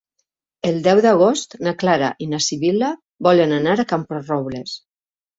El deu d'agost na Clara i na Sibil·la volen anar a Camporrobles.